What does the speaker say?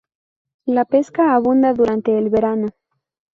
La pesca abunda durante el verano.